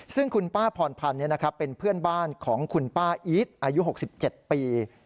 ซึ่งคุณป้าพรพันธ์เป็นเพื่อนบ้านของคุณป้าอีทอายุ๖๗ปี